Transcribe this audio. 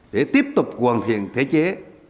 để tiếp tục hoàn thiện thể chế